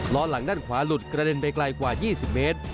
ล้อหลังด้านขวาหลุดกระเด็นไปไกลกว่า๒๐เมตร